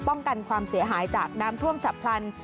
กันความเสียหายจากน้ำท่วมฉับพลัน